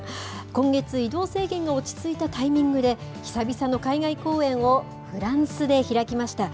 今月、移動制限が落ち着いたタイミングで、久々の海外公演をフランスで開きました。